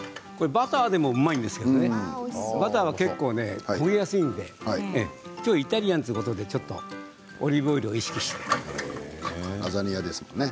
バターでもうまいんですけど結構焦げやすいので今日はイタリアンということでちょっと、オリーブオイルをラザニアですもんね。